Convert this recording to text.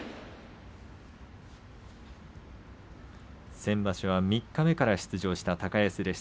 先場所は三日目から土俵に上がった高安です。